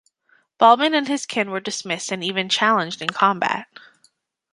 Balban and his kin were dismissed and even challenged in combat.